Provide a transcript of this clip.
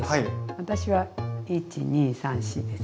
私は１２３４です。